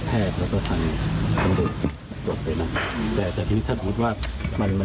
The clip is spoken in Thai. ถ้าอย่างนั้นไม่ต้องเอาเครื่องกลับมาก็ได้